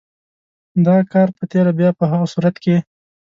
دغه کار په تېره بیا په هغه صورت کې.